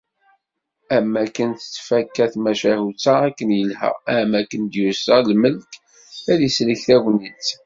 Am akken tettfakka tmacahut-a akken ilha, am akken d-yusa lmelk ad isellekk tagnit.